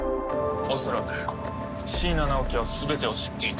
恐らく椎名ナオキは全てを知っていた。